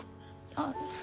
あっ。